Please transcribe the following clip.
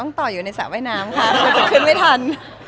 ต่ออยู่ในสระว่ายน้ำค่ะขึ้นไม่ทัน